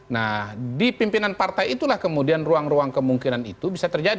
nah di pimpinan partai itulah kemudian ruang ruang kemungkinan itu bisa terjadi